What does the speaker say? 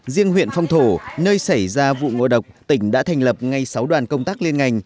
riêng huyện phong thổ nơi xảy ra vụ ngộ độc tỉnh đã thành lập ngay sáu đoàn công tác liên ngành